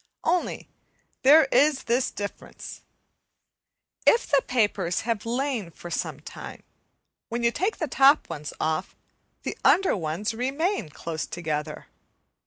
Only there is this difference, if the papers have lain for some time, when you take the top ones off, the under ones remain close together.